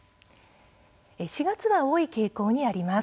４月は多い傾向にあります。